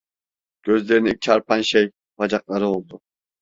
Gözlerine ilk çarpan şey, bacakları oldu.